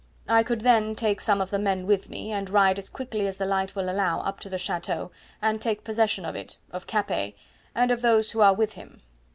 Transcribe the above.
I could then take some of the men with me, and ride as quickly as the light will allow up to the chateau, and take possession of it, of Capet, and of those who are with him.